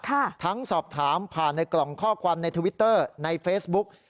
ทั้งสอบถามผ่านในกล่องข้อความในทวิตเตอร์ในเฟซบุ๊ก